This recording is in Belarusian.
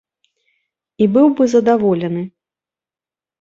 І быў бы задаволены!